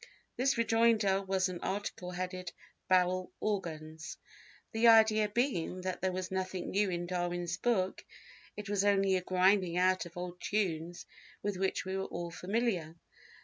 This rejoinder was an article headed "Barrel Organs," the idea being that there was nothing new in Darwin's book, it was only a grinding out of old tunes with which we were all familiar.